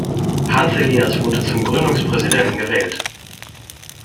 Hans Elias wurde zum Gründungspräsidenten gewählt.